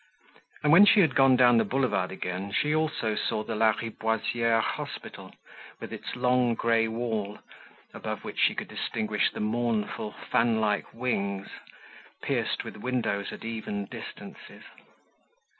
And when she had gone down the Boulevard again, she also saw the Lariboisiere Hospital, with its long grey wall, above which she could distinguish the mournful, fan like wings, pierced with windows at even distances.